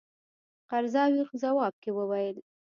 قرضاوي ځواب کې وویل.